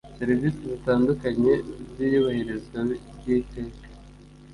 Serivisi zitandukanye z’ iyubahirizwa ry’iteke